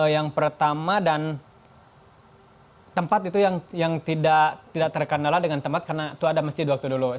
yang pertama dan tempat itu yang tidak terkandala dengan tempat karena itu ada masjid waktu dulu